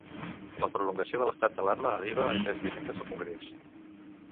La prolongació de l'estat d'alarma arriba aquest dimecres al Congrés.